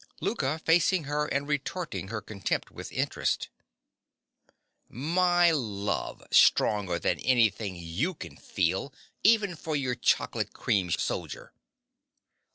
LOUKA. (facing her and retorting her contempt with interest). My love, stronger than anything you can feel, even for your chocolate cream soldier.